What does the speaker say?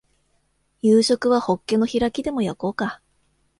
夕食はホッケの開きでも焼こうか